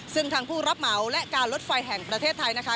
ซึ่งทางผู้รับเหมาและการลดไฟแห่งประเทศไทยนะคะ